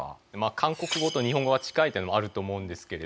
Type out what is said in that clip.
韓国語と日本語が近いというのもあると思うんですけれど。